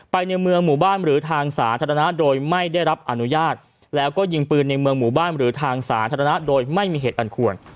ในเมืองหมู่บ้านหรือทางสาธารณะโดยไม่ได้รับอนุญาตแล้วก็ยิงปืนในเมืองหมู่บ้านหรือทางสาธารณะโดยไม่มีเหตุอันควร